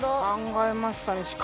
考えましたね。